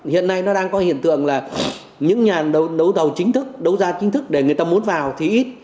hiện nay nó đang có hiện tượng là những nhà đấu thầu chính thức đấu giá chính thức để người ta muốn vào thì ít